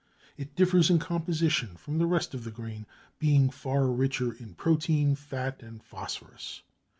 It differs in composition from the rest of the grain, being far richer in protein, fat, and phosphorus.